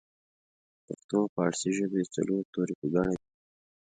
پښتو او پارسۍ ژبې څلور توري په ګډه دي